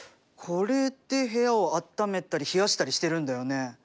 これで部屋をあっためたり冷やしたりしてるんだよね？